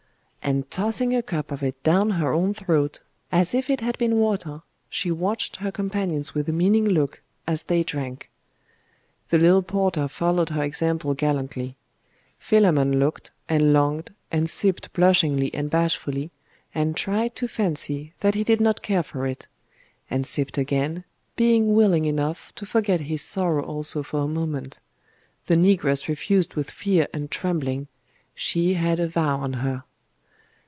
And tossing a cup of it down her own throat, as if it had been water, she watched her companions with a meaning look, as they drank. The little porter followed her example gallantly. Philammon looked, and longed, and sipped blushingly and bashfully, and tried to fancy that he did not care for it; and sipped again, being willing enough to forget his sorrow also for a moment; the negress refused with fear and trembling 'She had a vow on her.